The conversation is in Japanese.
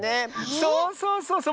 そうそうそうそう。